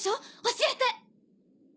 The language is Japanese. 教えて！